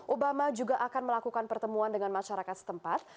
obama juga akan melakukan pertemuan dengan masyarakat setempat